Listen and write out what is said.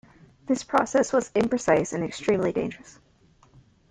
This process was imprecise and extremely dangerous.